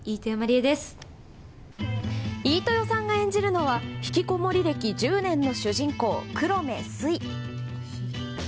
飯豊さんが演じるのはひきこもり歴１０年の主人公黒目すい。